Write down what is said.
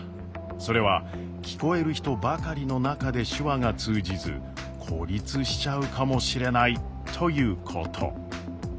それは聞こえる人ばかりの中で手話が通じず孤立しちゃうかもしれないということ。